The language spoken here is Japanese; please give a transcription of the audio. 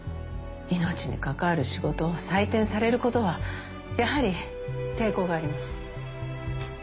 命に関わる仕事を採点されることはやはり抵抗があります。